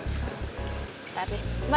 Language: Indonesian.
ntar deh mbak